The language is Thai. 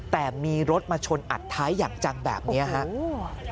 แต่มีรถมาชนอัดท้ายอย่างจังแบบนี้ครับ